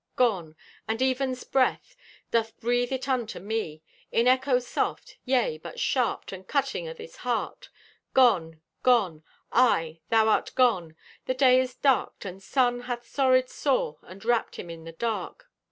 Gone! The even's breath Doth breathe it unto me In echo soft; yea, but sharped, And cutting o' this heart. Gone! Gone! Aye, thou art gone! The day is darked, and sun Hath sorried sore and wrapped him in the dark.